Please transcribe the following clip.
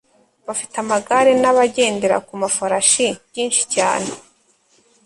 bafite amagare nabagendera ku mafarashi byinshi cyane